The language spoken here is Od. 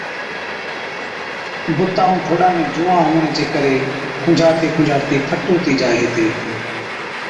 بُتا ائُُون ٺوڏا ۾ جُوئان هُوَڻي چي ڪري کُنجھاڙتِي کُنجھاڙتِي فٽ هُتِي جائي هِتي۔